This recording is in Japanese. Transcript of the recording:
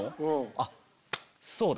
あっそうだ！